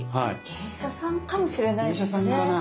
芸者さんかもしれないですね。